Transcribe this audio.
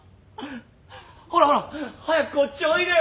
ほらほら早くこっちおいでよ！